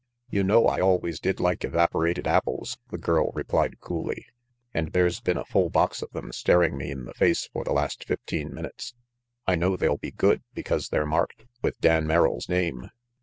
" You know I always did like evaporated apples," the girl replied coolly, "and there's been a full box of them staring me in the face for the last fifteen minutes. I know they'll be good, because they're marked with Dan Merrill's name."